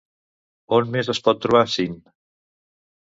On més es pot trobar Syn?